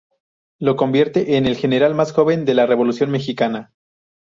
Lo convierte en el general más joven de la Revolución Mexicana.